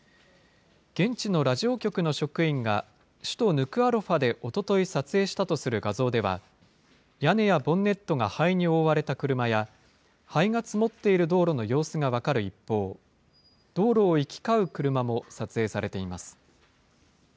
現地のラジオ局の職員が、首都ヌクアロファで、おととい撮影したとする画像では、屋根やボンネットが灰に覆われた車や、灰が積もっている道路の様子が分かる一方、道路を行き交う車も撮影されています。